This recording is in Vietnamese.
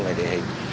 về địa hình